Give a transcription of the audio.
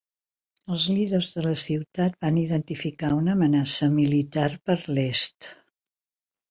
Els líders de la ciutat van identificar una amenaça militar per l'est.